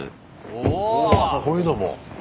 おおこういうのも。